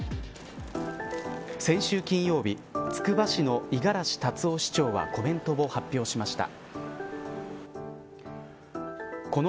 先週金曜日つくば市の五十嵐立青市長はコメントを発表しました。